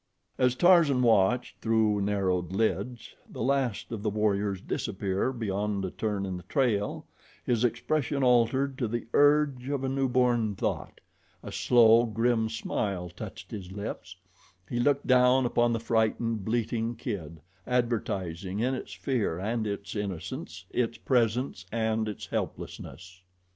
As Tarzan watched, through narrowed lids, the last of the warriors disappear beyond a turn in the trail, his expression altered to the urge of a newborn thought. A slow, grim smile touched his lips. He looked down upon the frightened, bleating kid, advertising, in its fear and its innocence, its presence and its helplessness.